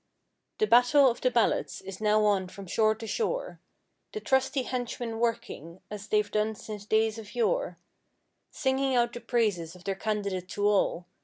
The battle of the ballots is now on from shore to shore; The trusty henchmen working as they've done since days of yore. Singing out the praises of their candidate to all.